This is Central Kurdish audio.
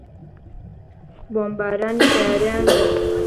بۆمبارانی تەیاران بوو.